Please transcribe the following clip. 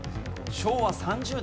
昭和３０年。